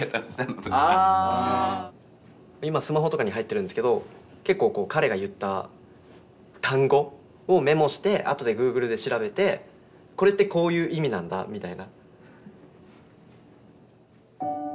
今スマホとかに入ってるんですけど結構彼が言った単語をメモして後でグーグルで調べてこれってこういう意味なんだみたいな。